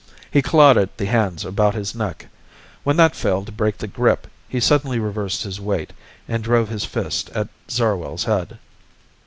He clawed at the hands about his neck. When that failed to break the grip he suddenly reversed his weight and drove his fist at Zarwell's head.